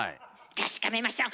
確かめましょう。